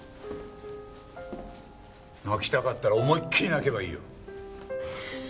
泣きたかったら思いっきり泣けばいいよ。